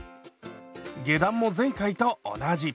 下段も前回と同じ。